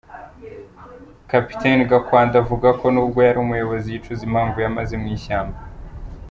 Captain Gakwandi avuga ko nubwo yari umuyobozi yicuza impamvu yamaze mu ishyamba.